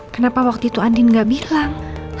kenapa waktu itu andin gak bilang